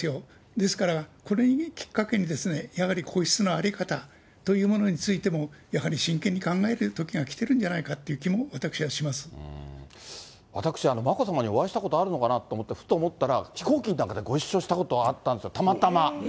ですから、これをきっかけに、やはり皇室の在り方というものについても、やはり真剣に考えるときが来てるんじゃないかという気も、私、眞子さまにお会いしたことあるのかなと、ふと思ったら、飛行機の中でご一緒したことあったんですよ、たまたま。